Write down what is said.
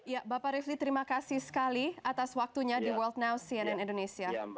ya bapak rifli terima kasih sekali atas waktunya di world now cnn indonesia